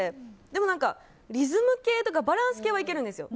でも、リズム系とかバランス系はいけるんですよ。